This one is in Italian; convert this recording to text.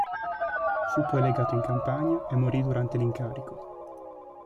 Fu poi legato in Campania e morì durante l'incarico.